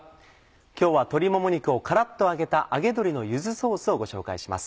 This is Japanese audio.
今日は鶏もも肉をカラっと揚げた「揚げ鶏の柚子ソース」をご紹介します。